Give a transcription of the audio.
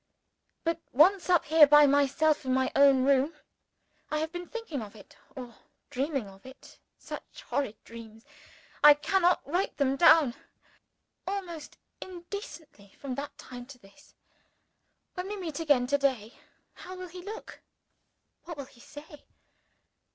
But once up here by myself in my own room, I have been thinking of it, or dreaming of it (such horrid dreams I cannot write them down!) almost incessantly from that time to this. When we meet again to day how will he look? what will he say?